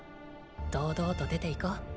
堂々と出ていこう。